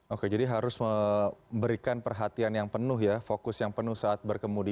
oke jadi harus memberikan perhatian yang penuh ya fokus yang penuh saat berkemudi